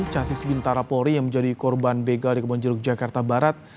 casis bintara polri yang menjadi korban begal di kebonjeruk jakarta barat